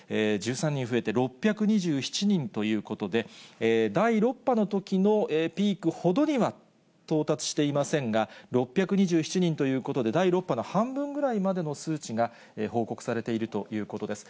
１３人増えて６２７人ということで、第６波のときのピークほどには到達していませんが、６２７人ということで、第６波の半分ぐらいまでの数値が報告されているということです。